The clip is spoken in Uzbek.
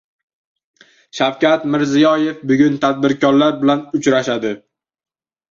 Shavkat Mirziyoev bugun tadbirkorlar bilan uchrashadi